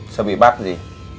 sao bị bắt gì